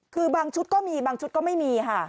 คือบางชุดก็มีบางชุดก็ไม่มีค่ะ